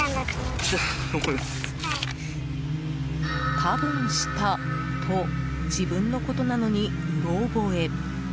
多分したと自分のことなのにうろ覚え。